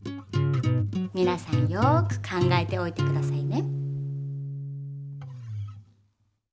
みなさんよく考えておいてくださいね。